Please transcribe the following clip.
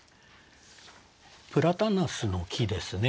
プラタナスの木ですね。